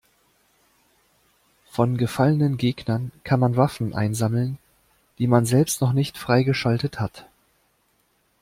Von gefallenen Gegnern kann man Waffen einsammeln, die man selbst noch nicht freigeschaltet hat.